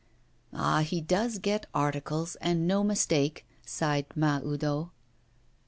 'Ah, he does get articles, and no mistake!' sighed Mahoudeau.